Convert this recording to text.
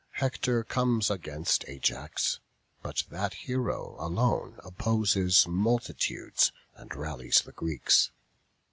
Hector comes against Ajax, but that hero alone opposes multitudes and rallies the Greeks.